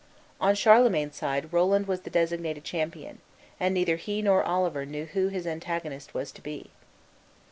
On Charlemagne's side Roland was the designated champion, and neither he nor Oliver knew who his antagonist was to be.